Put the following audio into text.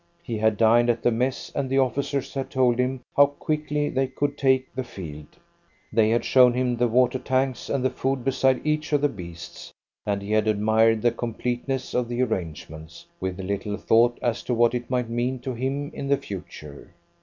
He had dined at the mess, and the officers had told him how quickly they could take the field. They had shown him the water tanks and the food beside each of the beasts, and he had admired the completeness of the arrangements, with little thought as to what it might mean to him in the future.